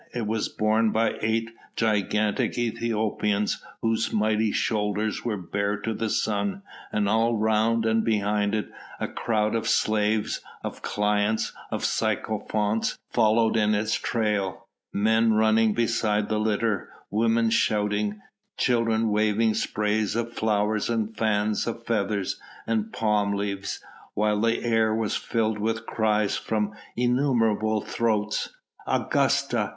It was borne by eight gigantic Ethiopians whose mighty shoulders were bare to the sun, and all round and behind it a crowd of slaves, of clients, of sycophants followed in its trail, men running beside the litter, women shouting, children waving sprays of flowers and fans of feathers and palm leaves, whilst the air was filled with cries from innumerable throats: "Augusta!